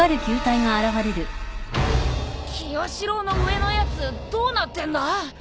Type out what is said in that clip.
清司郎の上のやつどうなってんだ？